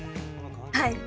はい。